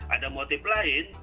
ada motif lain yang apa ya